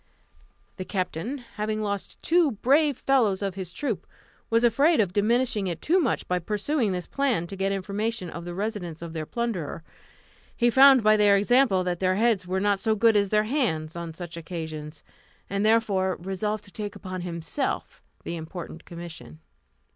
The captain, having lost two brave fellows of his troop, was afraid of diminishing it too much by pursuing this plan to get information of the residence of their plunderer. He found by their example that their heads were not so good as their hands on such occasions; and therefore resolved to take upon himself the important commission.